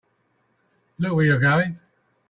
Look where you're going!